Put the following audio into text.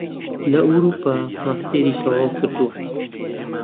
لە ئەوروپا ماستێری تەواو کردووە